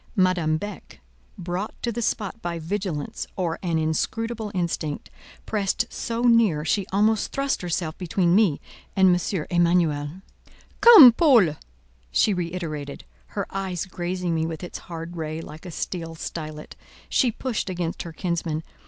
Madame Beck, brought to the spot by vigilance or an inscrutable instinct, pressed so near, she almost thrust herself between me and M. Emanuel. "Come, Paul!" she reiterated, her eye grazing me with its hard ray like a steel stylet. She pushed against her kinsman.